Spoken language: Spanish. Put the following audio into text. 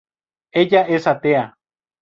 Ella es atea.